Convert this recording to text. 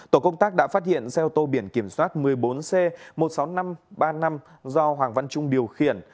tổ công tác đã phát hiện xe ô tô biển kiểm soát một mươi bốn c một mươi sáu nghìn năm trăm ba mươi năm do hoàng văn trung điều khiển